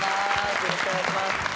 よろしくお願いします。